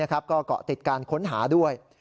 ก็เกาะติดการค้นหาด้วย